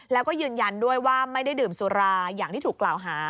แล้วก็ยืนยันด้วยว่าไม่ได้ดื่มสุราอย่างที่ถูกกล่าวหา